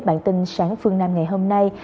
bản tin sáng phương nam ngày hôm nay